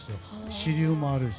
支流もあるし。